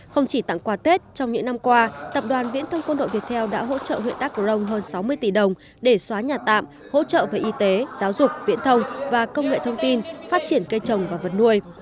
không chỉ tặng quà tết trong những năm qua tập đoàn viễn thông quân đội việt theo đã hỗ trợ huyện đắk cổ rồng hơn sáu mươi tỷ đồng để xóa nhà tạm hỗ trợ về y tế giáo dục viễn thông và công nghệ thông tin phát triển cây trồng và vật nuôi